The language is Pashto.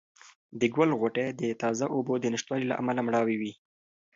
د ګل غوټۍ د تازه اوبو د نشتوالي له امله مړاوې وې.